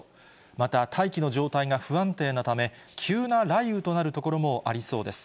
また、大気の状態が不安定なため、急な雷雨となる所もありそうです。